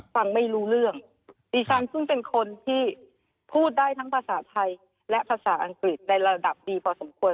ฟังไม่รู้เรื่องดิฉันซึ่งเป็นคนที่พูดได้ทั้งภาษาไทยและภาษาอังกฤษในระดับดีพอสมควร